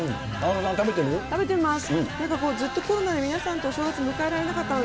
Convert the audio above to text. なんかこう、ずっとコロナで皆さんと正月迎えられなかったので。